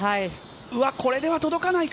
これでは届かないか？